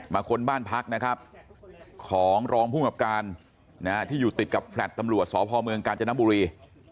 ค้นบ้านพักนะครับของรองภูมิกับการที่อยู่ติดกับแฟลต์ตำรวจสพเมืองกาญจนบุรี